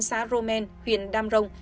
xã romaine huyện đam rồng